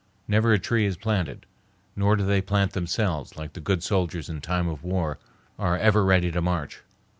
Never a tree is planted, nor do they plant themselves, but like good soldiers in time of war are ever ready to march.